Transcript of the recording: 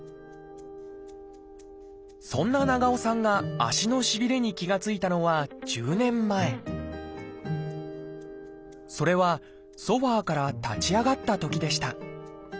そんな長尾さんが足のしびれに気が付いたのは１０年前それはソファーから立ち上がったときでした。